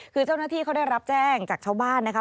คือเจ้าหน้าที่เขาได้รับแจ้งจากชาวบ้านนะคะ